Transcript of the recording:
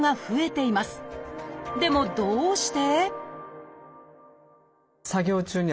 でもどうして？